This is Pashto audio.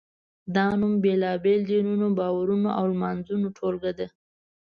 دا نوم بېلابېلو دینونو، باورونو او لمانځنو ټولګه ده.